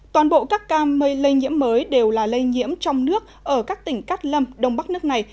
toàn bộ các cam nhiễm mới đều là lây nhiễm trong nước ở các tỉnh cát lâm đông bắc nước này